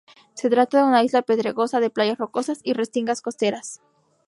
Se trata de una isla pedregosa, de playas rocosas y restingas costeras.